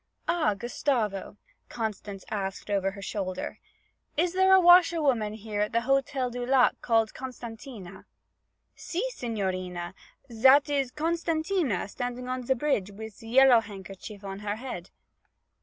'Ah, Gustavo,' Constance asked over her shoulder, 'is there a washer woman here at the Hotel du Lac named Costantina?' 'Si, signorina, zat is Costantina standing on ze bridge wif ze yellow handkerchief on her head.'